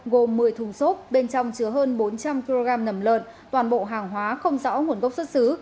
gồm một mươi thùng xốp bên trong chứa hơn bốn trăm linh kg nầm lợn toàn bộ hàng hóa không rõ nguồn gốc xuất xứ